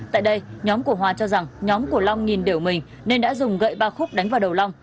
tại đây nhóm của hòa cho rằng nhóm của long nhìn đều mình nên đã dùng gậy ba khúc đánh vào đầu long